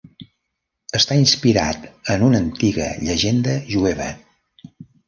Està inspirat en una antiga llegenda jueva.